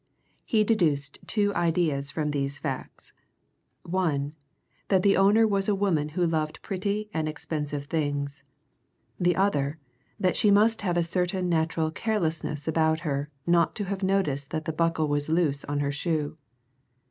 He deduced two ideas from these facts one, that the owner was a woman who loved pretty and expensive things; the other, that she must have a certain natural carelessness about her not to have noticed that the buckle was loose on her shoe.